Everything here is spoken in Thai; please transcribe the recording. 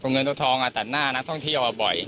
ตัวเงินตัวทองอ่ะตัดหน้านักท่องเที่ยวอ่ะบ่อย